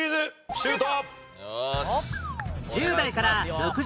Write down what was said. シュート！